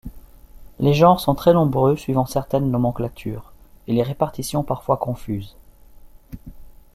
Les genres sont très nombreux suivant certaines nomenclatures, et les répartitions parfois confuses.